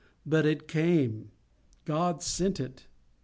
But it came. God sent it.